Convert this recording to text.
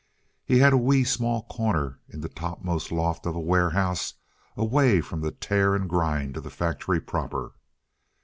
He had a wee small corner in the topmost loft of a warehouse away from the tear and grind of the factory proper.